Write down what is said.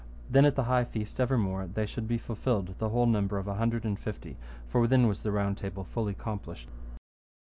Then at the high feast evermore they should be fulfilled the whole number of an hundred and fifty, for then was the Round Table fully complished.